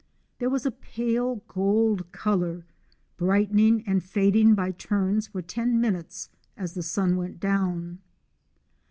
There was a pale gold colour, brightening and fading by turns for ten minutes as the sun went down.